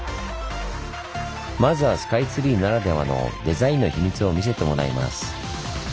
まずはスカイツリーならではのデザインの秘密を見せてもらいます。